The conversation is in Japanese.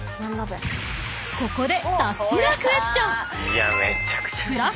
［ここで］